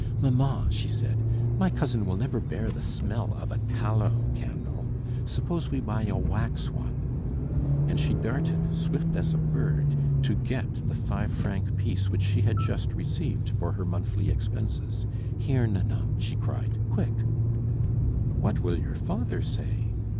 "Mamma," she said, "my cousin will never bear the smell of a tallow candle; suppose we buy a wax one?" And she darted, swift as a bird, to get the five franc piece which she had just received for her monthly expenses. "Here, Nanon," she cried, "quick!" "What will your father say?"